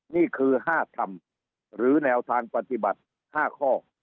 นี่คือ๕ธรรมหรือแนวทางปฏิบัติ๕ข้อ